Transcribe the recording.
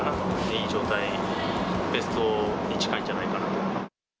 いい状態、ベストに近いんじゃないかなと。